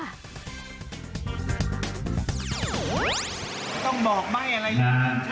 ต้องบอกไ้อะไรจริง